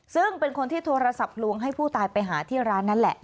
ซึ่งเป็นคนที่โทรศัพท์ลวงให้ผู้ตายไปหาที่ร้านนั้นแหละ